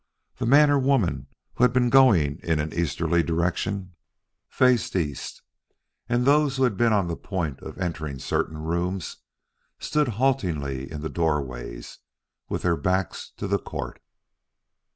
The man or woman who had been going in an easterly direction, faced east; and those who had been on the point of entering certain rooms, stood halting in the doorways with their backs to the court.